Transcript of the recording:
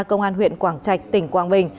công an huyện quảng trạch tỉnh quang bình